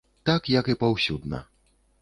Так як і паўсюдна.